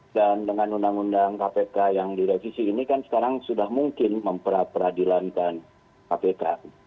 dan dengan undang undang kpk yang direvisi ini kan sekarang sudah mungkin memperadilankan kpk